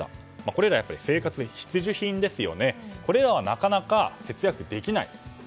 これらは生活必需品ですがこれらはなかなか節約できない。